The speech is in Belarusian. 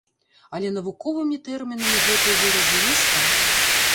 Але навуковымі тэрмінамі гэтыя выразы не сталі.